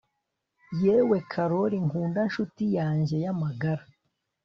yewe karoli nkunda nshuti yanjye y'amagara